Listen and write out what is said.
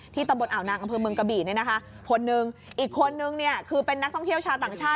ที่ต้องเอาหนากกรรมพื้นเมืองกระบีเนี้ยนะคะคนหนึ่งอีกคนนึงเนี้ยคือเป็นนักท่องเที่ยวชาตางชาติ